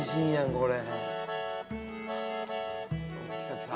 これ。